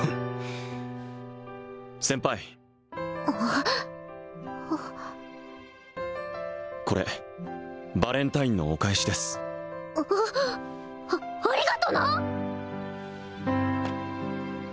先輩これバレンタインのお返しですあありがとな！